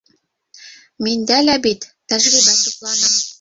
Миндә лә бит... тәжрибә туплана!